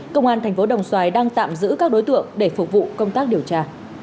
công an thành phố đồng xoài đang tạm giữ các đối tượng để phục vụ công tác điều tra